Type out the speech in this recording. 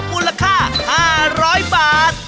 มูลค่า๕๐๐บาท